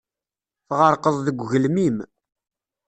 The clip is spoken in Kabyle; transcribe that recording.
Tɣerqeḍ deg ugelmim.